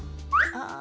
ああ。